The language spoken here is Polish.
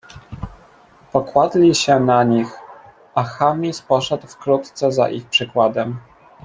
Pokładli się na nich, a Chamis poszedł wkrótce za ich przykładem.